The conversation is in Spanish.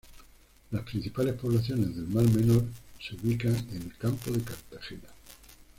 Las principales poblaciones del Mar Menor se ubican en el Campo de Cartagena.